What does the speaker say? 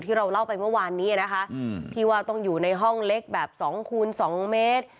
ที่เราเล่าไปเมื่อวานนี้นะคะที่ว่าต้องอยู่ในห้องเล็กแบบ๒คูณ๒เมตร